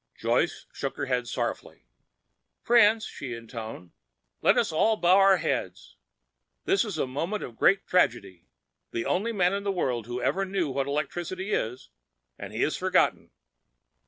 Joyce shook her head sorrowfully. "Friends," she intoned, "let us all bow our heads. This is a moment of great tragedy. The only man in the world who ever knew what electricity is—and he has forgotten!"